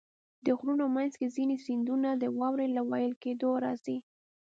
د غرونو منځ کې ځینې سیندونه د واورې له وېلې کېدو راځي.